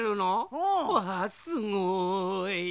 うん！わすごい！